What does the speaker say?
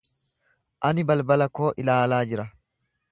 Ani bilbila koo ilaalaa jira.